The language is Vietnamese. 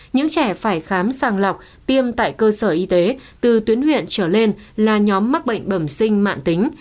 những trẻ phải khám sàng lọc tiêm tại cơ sở y tế từ tuyến huyện trở lên là nhóm mắc bệnh bẩm sinh mạng tính